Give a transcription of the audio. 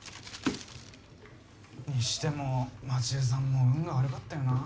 にしても街絵さんも運が悪かったよな。